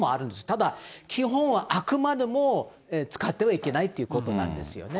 ただ、基本はあくまでも使ってはいけないということなんですよね。